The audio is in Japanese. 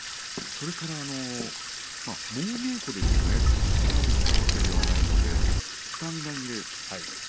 それと猛稽古でここまで来たわけではないのでスタミナ切れ。